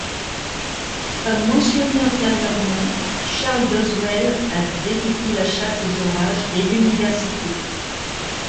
Comme mentionné antérieurement, Charles Doswell a débuté la chasse aux orages dès l'université.